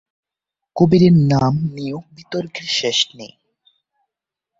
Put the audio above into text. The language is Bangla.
কবির নাম নিয়েও বিতর্কের শেষ নেই।